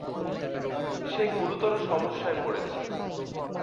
সে গুরুতর সমস্যায় পড়েছে।